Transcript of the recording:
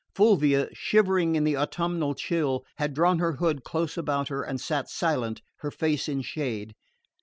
Fulvia, shivering in the autumnal chill, had drawn her hood close about her and sat silent, her face in shade.